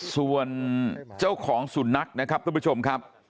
ส่วนเจ้าของสุนัขนะครับทุกผู้ชมครับ